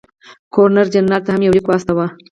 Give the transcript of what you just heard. ګورنر جنرال ته هم یو لیک واستاوه.